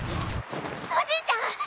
おじいちゃん！